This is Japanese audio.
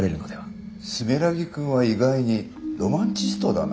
住良木君は意外にロマンチストだな。